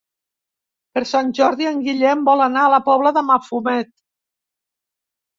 Per Sant Jordi en Guillem vol anar a la Pobla de Mafumet.